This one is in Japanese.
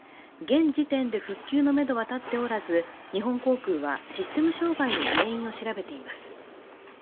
現時点で復旧のめどは立っておらず日本航空はシステム障害の原因を調べています。